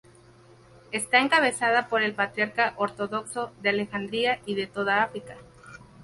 Está encabezada por el Patriarca ortodoxo de Alejandría y de toda África.